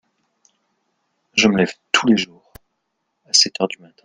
je me lève tous les jours à sept heures du matin.